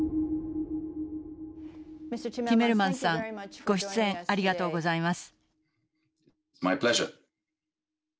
ティメルマンスさんご出演ありがとうございます。